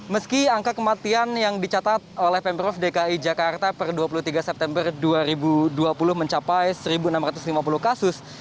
meski angka kematian yang dicatat oleh pemprov dki jakarta per dua puluh tiga september dua ribu dua puluh mencapai satu enam ratus lima puluh kasus